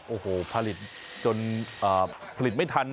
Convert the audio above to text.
โอ้โหผลิตจนผลิตไม่ทัน